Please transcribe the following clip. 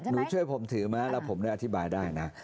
ช่วยผมถือมาแล้วผมได้อธิบายได้นะ